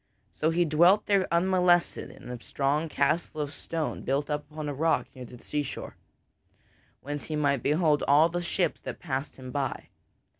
So he dwelt there unmolested in a strong castle of stone built up upon a rock near to the seashore, whence he might behold all the ships that passed him by.